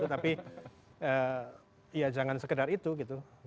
tapi ya jangan sekedar itu gitu